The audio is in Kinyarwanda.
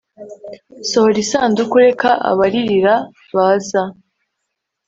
Sohora isanduku reka abaririra baza